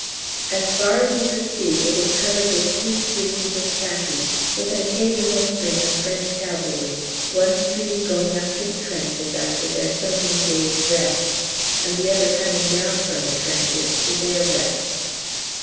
As far as you could see it was covered with two streams of khaki, with an occasional string of French cavalry one stream going up to the trenches after their so many days' "rest," and the other coming from the trenches to their "rest."